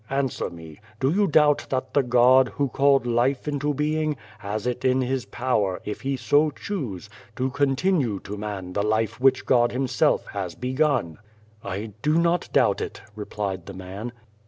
" Answer me. Do you doubt that the God, who called life into being, has it in His power, if He so choose, to continue to man the life which God Himself has begun ?"" I do not doubt it," replied the man.